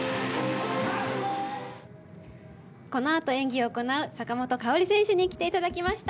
このあと演技を行う坂本花織選手に来ていただきました。